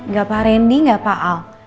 gak pak rendy gak pak al